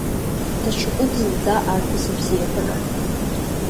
Даҽакуп зынӡа арԥыс ибзиабара.